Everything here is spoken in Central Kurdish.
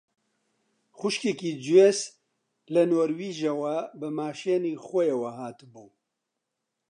خوشکێکی جۆیس لە نۆروێژەوە بە ماشێنی خۆیەوە هاتبوو